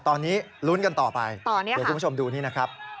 ตอนนี้ลุ้นกันต่อไปเดี๋ยวคุณผู้ชมดูนี่นะครับ